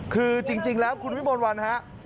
คือจริงแล้วคุณพี่มนต์วันครับ